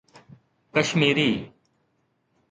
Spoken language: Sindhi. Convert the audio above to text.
ڪشميري